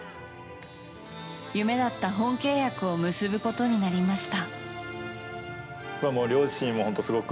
夢だった本契約を結ぶことになりました。